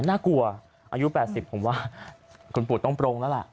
น่ากลัวอายุ๘๐ผมว่าคุณปู่ต้องโปร่งแล้วล่ะ